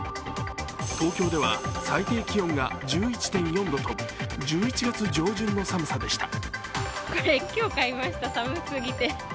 東京では最低気温が１１．４度と１１月上旬の寒さでした。